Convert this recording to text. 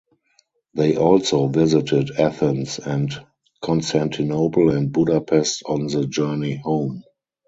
They also visited Athens and Constantinople and Budapest on the journey home.